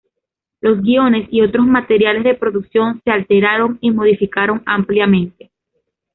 Los guiones y otros materiales de producción se alteraron y modificaron ampliamente.